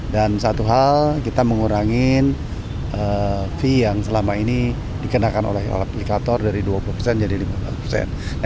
dan satu hal kita mengurangi fee yang selama ini dikenakan oleh aplikator dari dua puluh persen menjadi lima belas persen